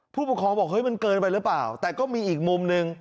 ผู้ปกครองบอกเฮ้ยมันเกินไปหรือเปล่าแต่ก็มีอีกมุมหนึ่ง